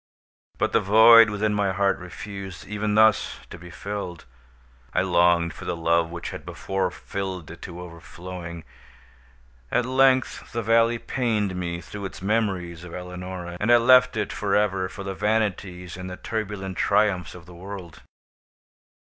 But the void within my heart refused, even thus, to be filled. I longed for the love which had before filled it to overflowing. At length the valley pained me through its memories of Eleonora, and I left it for ever for the vanities and the turbulent triumphs of the world.